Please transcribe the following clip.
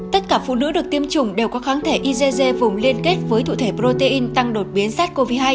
tất cả phụ nữ được tiêm chủng đều có kháng thể igc vùng liên kết với thủ thể protein tăng đột biến sars cov hai